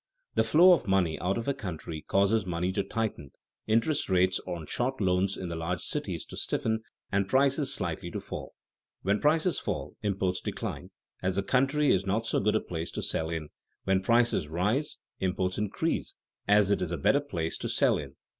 The flow of money out of a country causes money to tighten, interest rates on short loans in the large cities to stiffen, and prices slightly to fall. When prices fall, imports decline, as the country is not so good a place to sell in; when prices rise, imports increase, as it is a better place to sell in.